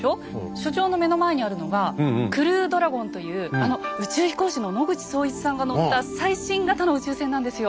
所長の目の前にあるのが「クルードラゴン」というあの宇宙飛行士の野口聡一さんが乗った最新型の宇宙船なんですよ。